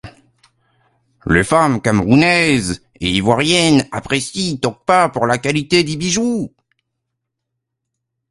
Les femmes camerounaises et ivoiriennes, apprécient Tokpa pour la qualité des bijoux.